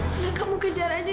udah kamu kejar aja